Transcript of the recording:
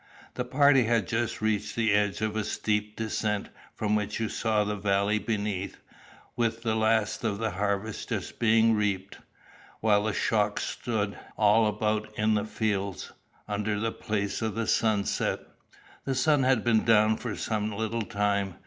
The party had just reached the edge of a steep descent, from which you saw the valley beneath, with the last of the harvest just being reaped, while the shocks stood all about in the fields, under the place of the sunset. The sun had been down for some little time.